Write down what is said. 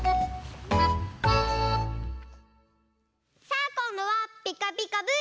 さあこんどは「ピカピカブ！」